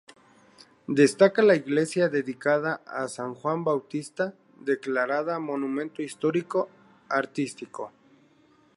Destaca la iglesia dedicada a san Juan Bautista, declarada Monumento Histórico Artístico.